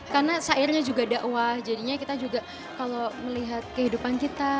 karena syairnya juga dakwah jadinya kita juga kalau melihat kehidupan kita